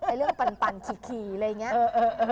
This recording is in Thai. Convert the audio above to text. เรื่องปั่นขี่อะไรอย่างนี้